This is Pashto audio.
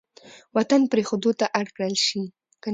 وطـن پـرېښـودو تـه اړ کـړل شـي.